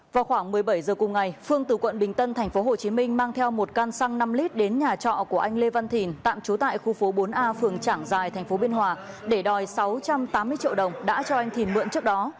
vào khoảng một mươi bảy h cùng ngày phương từ quận bình tân tp hcm mang theo một căn xăng năm lít đến nhà trọ của anh lê văn thìn tạm trú tại khu phố bốn a phường trảng giài tp biên hòa để đòi sáu trăm tám mươi triệu đồng đã cho anh thìn mượn trước đó